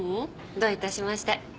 どういたしまして。